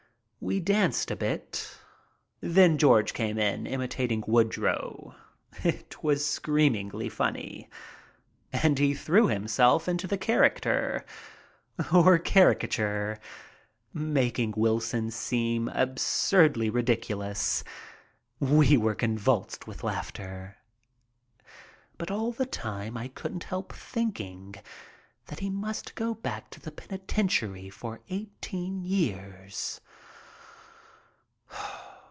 We danced a bit. Then George came in imitating Woodrow. It was scream i6 MY TRIP ABROAD ingly funny, and he threw himself into the character, or caricature, making Wilson seem absurdly ridiculous. We were convulsed with laughter. But all the time I couldn't help thinking that he must go back to the penitentiary for eighteen years.